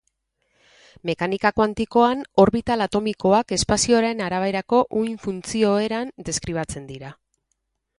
Mekanika kuantikoan orbital atomikoak espazioaren araberako uhin-funtzio eran deskribatzen dira.